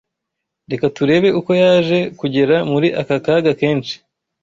Reka turebe uko yaje kugera muri aka kaga kenshi